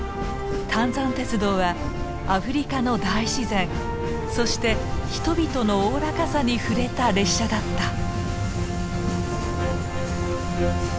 タンザン鉄道はアフリカの大自然そして人々のおおらかさにふれた列車だった。